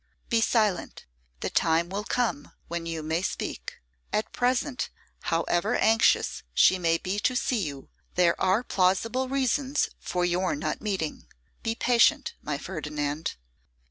'Be silent; the time will come when you may speak. At present, however anxious she may be to see you, there are plausible reasons for your not meeting. Be patient, my Ferdinand.